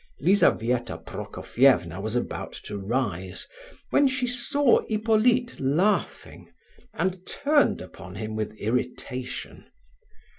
Lizabetha Prokofievna was about to rise, when she saw Hippolyte laughing, and turned upon him with irritation.